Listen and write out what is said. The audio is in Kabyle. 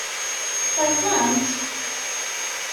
Terẓam-tt?